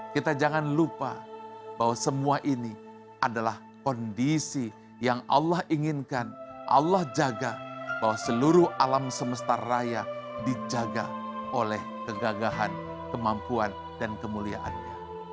kita jangan lupa bahwa semua ini adalah kondisi yang allah inginkan allah jaga bahwa seluruh alam semesta raya dijaga oleh kegagahan kemampuan dan kemuliaannya